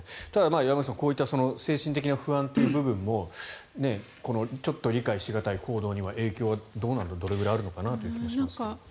ただ山口さん、こういった精神的な不安という部分もちょっと理解し難い行動には影響がどれくらいあるのかなという気がしますが。